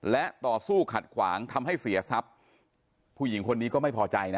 และต่อสู้ขัดขวางทำให้เสียทรัพย์ผู้หญิงคนนี้ก็ไม่พอใจนะ